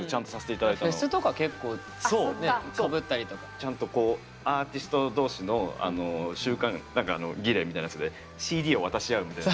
ちゃんとこうアーティスト同士の習慣何か儀礼みたいなやつでＣＤを渡し合うみたいな。